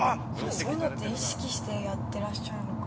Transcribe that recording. ◆そういうのって意識してやっていらっしゃるのかな。